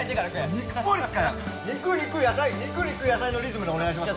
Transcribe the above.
肉肉野菜肉肉野菜のリズムでお願いします